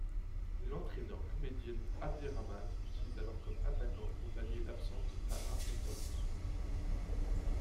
L'entraîneur Boumedienne Abderrhamane l'utilise alors comme attaquant pour pallier l'absence de Tahar Mazzaouz.